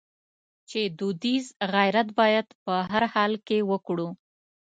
چې دودیز غیرت باید په هر حال کې وکړو.